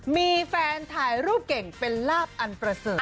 มีแฟนถ่ายรูปเก่งเป็นลาบอันประเสริฐ